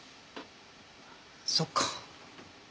そっか。